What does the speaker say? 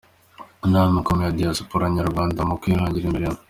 Inama ikomeye ya Diyasipora nyarwanda mu kwihangira imirimo